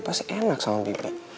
pasti enak sama bibi